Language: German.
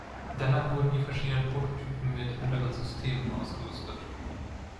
Danach wurden die verschiedenen Prototypen mit anderen Systemen ausgerüstet.